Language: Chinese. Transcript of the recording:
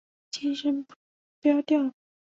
轻声不标调。